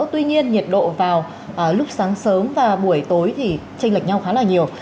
tuy nhiên nhiệt độ vào lúc sáng sớm và buổi tối thì tranh lệch nhau khá là nhiều